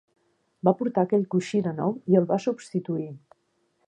Va portar aquell coixí de nou i el va substituir.